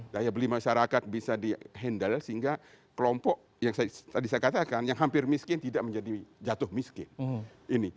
daya beli masyarakat bisa di handle sehingga kelompok yang tadi saya katakan yang hampir miskin tidak menjadi jatuh miskin